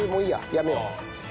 やめよう。